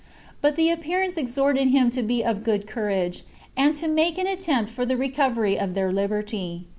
But the appearance exhorted him to be of good courage, and to make an attempt for the recovery of their liberty.